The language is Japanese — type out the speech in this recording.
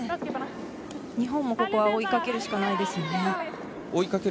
日本もここは追いかけるしかないですね。